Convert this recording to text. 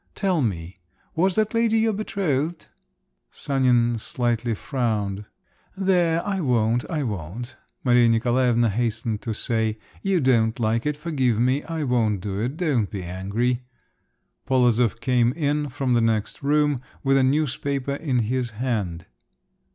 Tell me, was that lady your betrothed?" Sanin slightly frowned … "There, I won't, I won't," Maria Nikolaevna hastened to say. "You don't like it, forgive me, I won't do it, don't be angry!" Polozov came in from the next room with a newspaper in his hand.